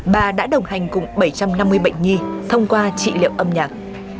bà đã đồng hành cùng bảy trăm năm mươi bệnh nhi thông qua trị liệu âm nhạc